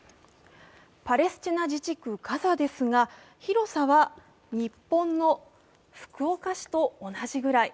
パレスチナ自治区ガザですが広さは日本の福岡市と同じぐらい。